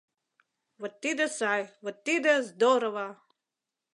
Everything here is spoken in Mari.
— Вот тиде сай, вот тиде — здорово!